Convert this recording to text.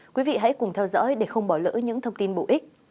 quý vị hãy cùng theo dõi để không bỏ lỡ những thông tin bổ ích